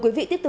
có ý nghĩa là